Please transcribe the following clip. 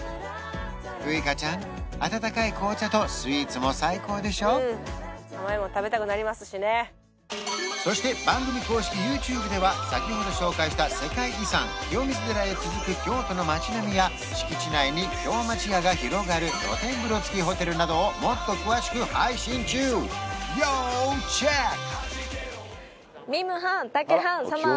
ウイカちゃん温かいうんそして番組公式ＹｏｕＴｕｂｅでは先ほど紹介した世界遺産清水寺へ続く京都の町並みや敷地内に京町屋が広がる露天風呂付きホテルなどをもっと詳しく配信中要チェック！